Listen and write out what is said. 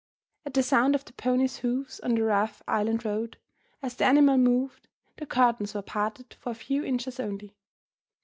At the sound of the pony's hoofs on the rough island road, as the animal moved, the curtains were parted for a few inches only.